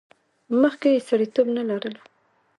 مخکې یې سړیتیوب نه لرلو.